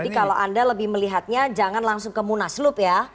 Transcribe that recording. jadi kalau anda lebih melihatnya jangan langsung ke munas lup ya